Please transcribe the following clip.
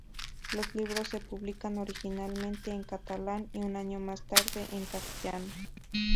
Los libros se publican originalmente en catalán y un año más tarde en castellano.